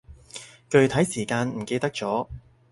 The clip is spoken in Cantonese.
具體時間唔記得咗